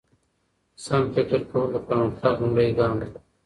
سم فکر کول د پرمختګ لومړی ګام دی.